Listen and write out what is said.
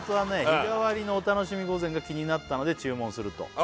「日替わりのお楽しみ御膳が気になったので注文すると」